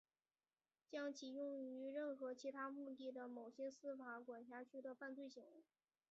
将其用于任何其他目的是某些司法管辖区的犯罪行为。